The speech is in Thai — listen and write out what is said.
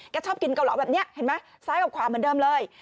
ชอบกินเกาเหลาแบบนี้เห็นไหมซ้ายกับขวาเหมือนเดิมเลย